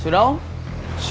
sudah oh masuk